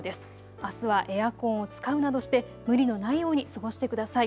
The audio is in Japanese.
あすはエアコンを使うなどして、無理のないように過ごしてください。